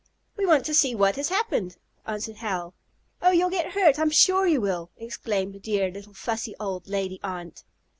"We want to see what has happened!" answered Hal. "Oh, you'll get hurt! I'm sure you will!" exclaimed the dear, little, fussy old lady aunt.